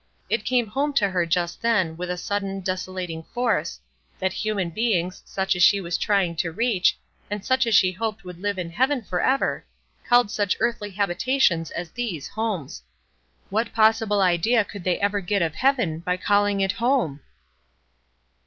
It came home to her just then, with a sudden, desolating force, that human beings, such as she was trying to reach, and such as she hoped would live in heaven forever, called such earthly habitations as these homes. What possible idea could they ever get of heaven by calling it "home"?